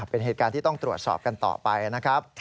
เป็นเหตุการณ์ที่ต้องตรวจสอบกันต่อไปนะครับ